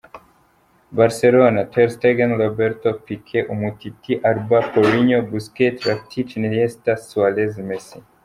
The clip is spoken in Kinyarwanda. Barcelona: Ter Stegen; Roberto, Piqué, Umtiti, Alba; Paulinho, Busquets, Rakitić, Iniesta; Suárez, Messi.